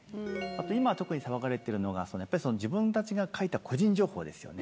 今、特に騒がれているのが自分たちが書いた個人情報です。